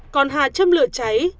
còn hà châm lửa cháy